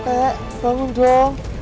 eh bangun dong